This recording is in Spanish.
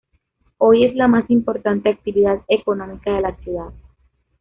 Hoy es la más importante actividad económica de la ciudad.